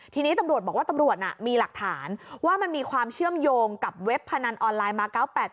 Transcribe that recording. ทีนี้ตำรวจบอกว่าตำรวจมีหลักฐานว่ามันมีความเชื่อมโยงกับเว็บพนันออนไลน์มา๙๘๘